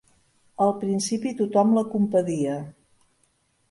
Al principi tothom la compadia.